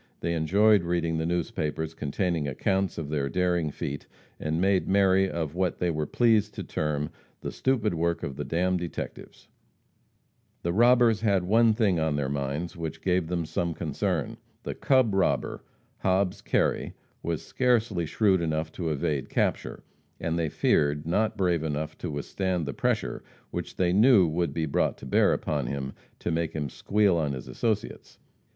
They enjoyed reading the newspapers containing accounts of their daring feat, and made merry at what they were pleased to term "the stupid work of the d d detectives." The robbers had one single thing on their minds which gave them some concern. The "cub" robber, Hobbs Kerry, was scarcely shrewd enough to evade capture, and, they feared, not brave enough to withstand the pressure which they knew would be brought to bear upon him to "make him squeal on his associates."